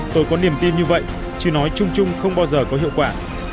tôi có niềm tin như vậy chỉ nói chung chung không bao giờ có hiệu quả